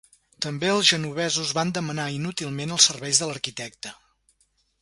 També els genovesos van demanar inútilment els serveis de l'arquitecte.